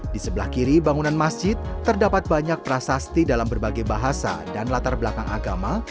di sebelah kiri bangunan masjid terdapat banyak prasasti dalam berbagai bahasa dan latar belakang agama